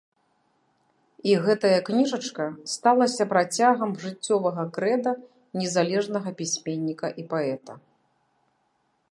І гэтая кніжачка сталася працягам жыццёвага крэда незалежнага пісьменніка і паэта.